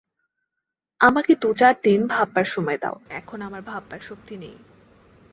আমাকে দু-চার দিন ভাববার সময় দাও, এখন আমার ভাববার শক্তি নেই।